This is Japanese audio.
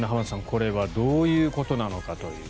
これはどういうことなのかという。